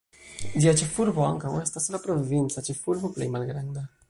Ĝia ĉefurbo ankaŭ estas la provinca ĉefurbo plej malgranda.